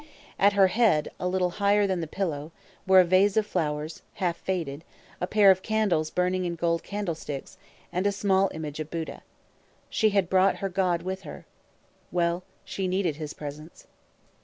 At her head, a little higher than the pillow, were a vase of flowers, half faded, a pair of candles burning in gold candlesticks, and a small image of the Buddha. She had brought her god with her. Well, she needed his presence.